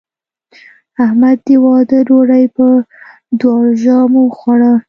احمد د واده ډوډۍ په دواړو ژامو وخوړه.